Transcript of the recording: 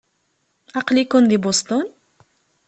Aql-iken di Boston?